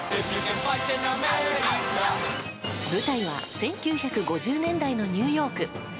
舞台は１９５０年代のニューヨーク。